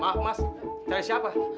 maaf mas cari siapa